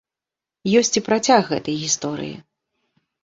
Ёсць і працяг гэтай гісторыі.